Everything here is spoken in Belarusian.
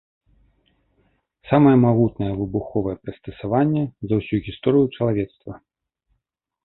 Самае магутнае выбуховае прыстасаванне за ўсю гісторыю чалавецтва.